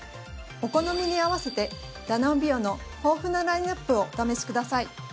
お好みに合わせてダノンビオの豊富なラインアップをお試しください。